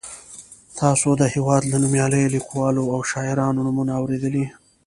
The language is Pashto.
تاسو د هېواد له نومیالیو لیکوالو او شاعرانو نومونه اورېدلي.